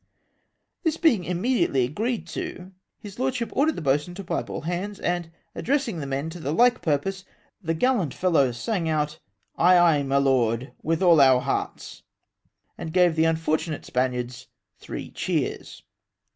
This being immediately agreed to, his lordship ordered the boatswain to pipe all hands, and addressing the men to the like purpose, the gallant fellows sung out, 'Aye, aye, my lord, with all our hearts,' and gave the unfortunate Spaniards three cheers."